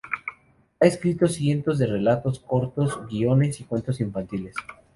Ha escrito cientos de relatos cortos, guiones y cuentos infantiles.